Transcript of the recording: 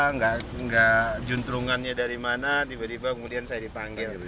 nggak juntrungannya dari mana tiba tiba kemudian saya dipanggil